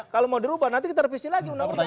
kalau mau dirubah nanti kita revisi lagi undang undang